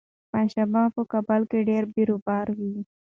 پنجشنبه په کابل کې ډېر بېروبار وي.